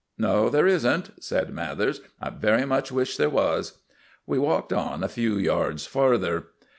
"No there isn't," said Mathers. "I very much wish there was." We walked on a few yards farther.